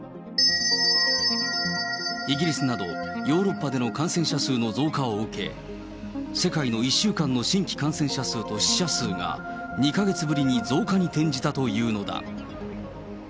イギリスなどヨーロッパでの感染者数の増加を受け、世界の１週間の新規感染者数と死者数が２か月ぶりに増加に転じたというのだ。